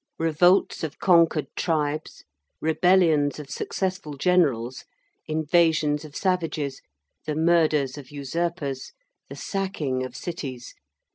Revolts of conquered tribes, rebellions of successful generals, invasions of savages, the murders of usurpers, the sacking of cities.